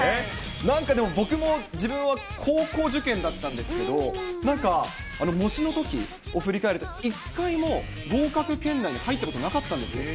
なんか、僕も、僕は高校受験だったんですけど、なんか模試のときを振り返ると、一回も合格圏内に入ったことなかったんです。